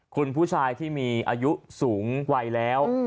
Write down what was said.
คุณผู้ชายที่มีอายุสูงวัยแล้ว